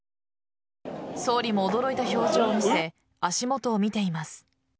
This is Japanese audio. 総理も驚いた表情を見せ足元を見ています。